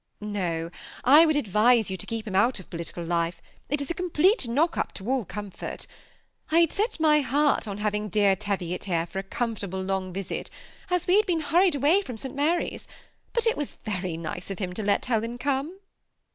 " No, I would advise you to keep him out of politi cal life; it is a complete knock up to all comfort I had set my heart on hating dear Teviot here for a comfortable long visit, as we had been hurried away from St. Mary's.; but it was very nice of him to let Helen come."